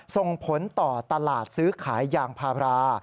ส่งผลต่อตลาดซื้อขายยางพารา